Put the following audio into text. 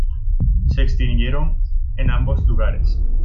Se extinguieron en ambos lugares.